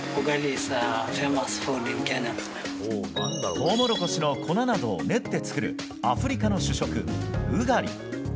トウモロコシの粉などを練って作るアフリカの主食、ウガリ。